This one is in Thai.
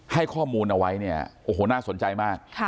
ให้ข้อมูลเอาไว้น่าสนใจมาก